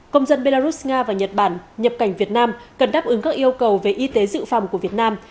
công dân belarus nga và nhật bản nhập cảnh việt nam cần đáp ứng các yêu cầu về y tế dự phòng của việt nam